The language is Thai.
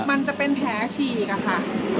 มันจะเป็นแผลชีอี๊กค่ะค่ะ